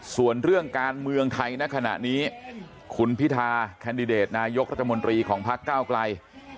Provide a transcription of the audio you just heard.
ส่วนเรื่องการเมืองไทยณขณะนี้คุณพิธาแคนดิเดตนายกรัฐมนตรีของพักเก้าไกล